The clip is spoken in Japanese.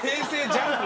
ＪＵＭＰ